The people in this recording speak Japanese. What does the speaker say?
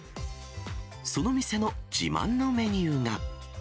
その店の自慢のメニューが。